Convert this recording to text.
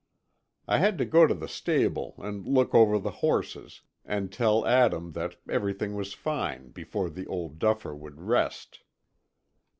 I had to go to the stable and look over the horses, and tell Adam that everything was fine, before the old duffer would rest.